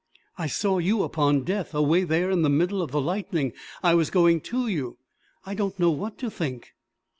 "I saw you upon Death away there in the middle of the lightning. I was going to you. I don't know what to think."